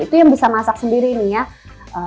itu yang bisa masak sendiri nih ya